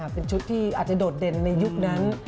เป็นชุดที่อาจจะโดดเด่นในยุคนั้น